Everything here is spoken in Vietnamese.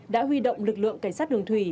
đã huy động lực lượng cảnh sát đường thủy